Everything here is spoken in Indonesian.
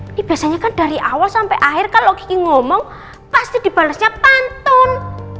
ini biasanya kan dari awal sampe akhir kalo kiki ngomong pasti dibalasnya pantun